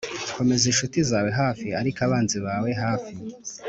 komeza inshuti zawe hafi ariko abanzi bawe hafi